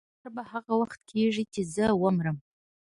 دا کار به هغه وخت کېږي چې زه ومرم.